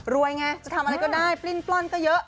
ไงจะทำอะไรก็ได้ปลิ้นปล้นก็เยอะ